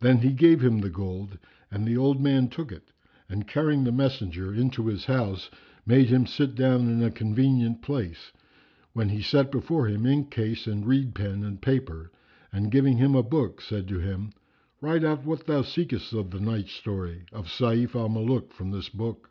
Then he gave him the gold and the old man took it and carrying the messenger into his house made him sit down in a convenient place, when he set before him ink case and reed pen and paper and giving him a book, said to him, "Write out what thou seekest of the night story[FN#352] of Sayf al Muluk from this book."